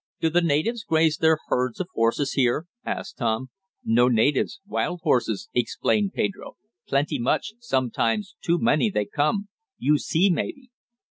"Do the natives graze their herds of horses here?" asked Tom. "No natives wild horses," explained Pedro. "Plenty much, sometimes too many they come. You see, maybe."